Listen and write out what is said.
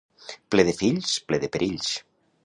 Ple de fills, ple de perills.